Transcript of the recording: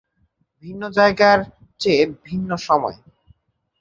ভিন্ন জায়গার চেয়ে ভিন্ন সময়ে।